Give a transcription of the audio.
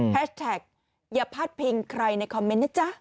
แท็กอย่าพาดพิงใครในคอมเมนต์นะจ๊ะ